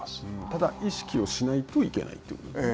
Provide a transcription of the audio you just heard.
ただ、意識をしないといけないということですね。